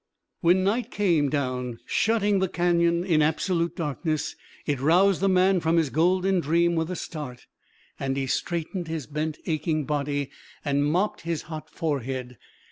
When night came down, shutting the cañon in absolute darkness, it roused the man from his golden dream with a start, and he straightened his bent, aching body and mopped his hot forehead.